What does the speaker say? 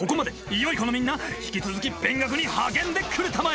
良い子のみんな引き続き勉学に励んでくれたまえ！